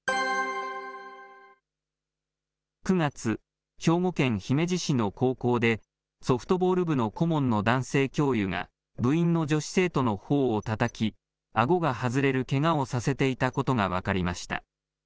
９月、兵庫県姫路市の高校で、ソフトボール部の顧問の男性教諭が部員の女子生徒のほおをたたき、あごが外れるけがをさせていたことが分かりました。